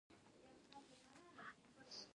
د انسان پوست د لمر د وړانګو څخه ساتي.